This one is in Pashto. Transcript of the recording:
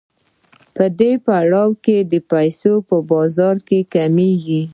په دې پړاو کې پیسې په بازار کې کمېږي